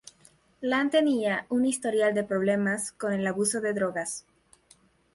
Lane tenía un historial de problemas con el abuso de drogas.